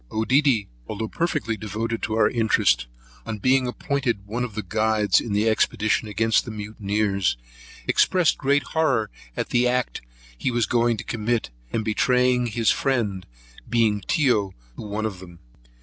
Oedidy, although perfectly devoted to our interest, on being appointed one of the guides in the expedition against the mutineers, expressed great horror at the act he was going to commit, in betraying his friend, being Tyo to one of them.